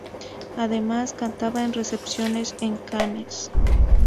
Además, cantaba en recepciones en Cannes.